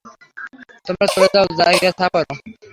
তোমরা চলে যাও, যায়গা সাফ করো!